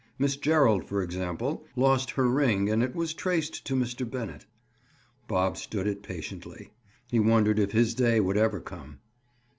Miss Gerald, for example, lost her ring and it was traced to Mr. Bennett." Bob stood it patiently. He wondered if his day would ever come.